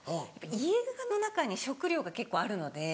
家の中に食料が結構あるので。